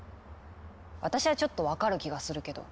私はちょっと分かる気がするけど。